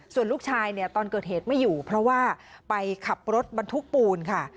ส่วนลูกชายเนี่ยตอนเกิดเหตุไม่อยู่เพราะว่าไปขับรถบรรทุกปูนค่ะ